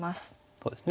こうですね。